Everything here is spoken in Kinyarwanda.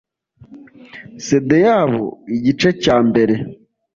Sede yabo igice cya mbere